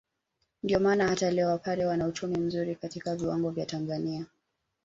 Ndio maana hata leo wapare wana uchumi mzuri katika viwango vya Tanzania